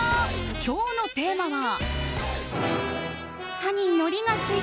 今日のテーマは。